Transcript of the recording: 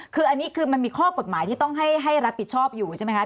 คืออันนี้คือมันมีข้อกฎหมายที่ต้องให้รับผิดชอบอยู่ใช่ไหมคะ